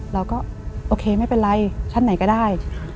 เราก็โอเคไม่เป็นไรชั้นไหนก็ได้